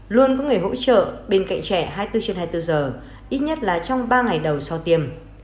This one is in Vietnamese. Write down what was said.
luôn có người hỗ trợ bên cạnh trẻ hai mươi bốn trên hai mươi bốn giờ ít nhất là trong ba ngày đầu sau tiêm